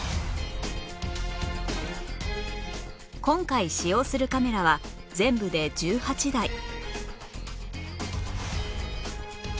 今回使用するカメラは全部で１８台